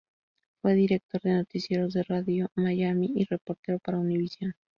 Fue director de Noticieros de Radio Miami y reportero para Univisión.